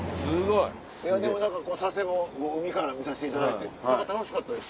いやでも何か佐世保海から見させていただいて楽しかったです。